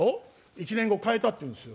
１年後変えたっていうんですよ。